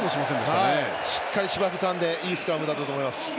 しっかり芝つかんでいいスクラムだったと思います。